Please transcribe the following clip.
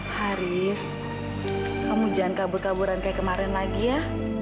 haris kamu jangan kabur kaburan kayak kemarin lagi ya